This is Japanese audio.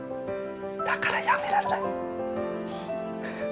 だからやめられない。